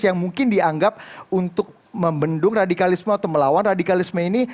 yang mungkin dianggap untuk membendung radikalisme atau melawan radikalisme ini